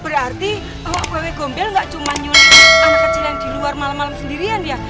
berarti kue gombel nggak cuma nyuruh anak kecil yang di luar malam malam sendirian ya